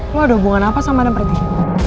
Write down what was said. lu ada hubungan apa sama madam pretty